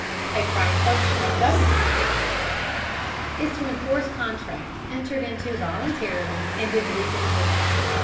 A prime function of government, therefore, is to enforce contracts entered into voluntarily and in legal form.